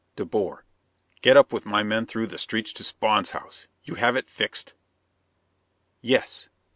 De Boer: "... Get up with my men through the streets to Spawn's house? You have it fixed?" "Yes.